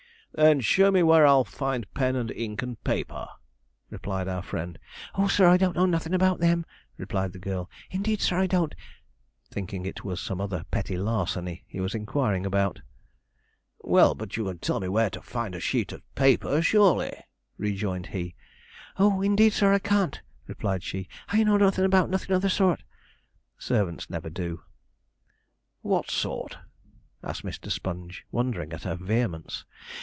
'Then show me where I'll find pen and ink and paper,' replied our friend. 'Oh, sir, I don't know nothin' about them,' replied the girl; 'indeed, sir, I don't'; thinking it was some other petty larceny he was inquiring about. 'Well, but you can tell me where to find a sheet of paper, surely?' rejoined he. 'Oh, indeed, sir, I can't,' replied she; 'I know nothin' about nothin' of the sort.' Servants never do. 'What sort?' asked Mr. Sponge, wondering at her vehemence.